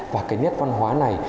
và cái nét văn hóa này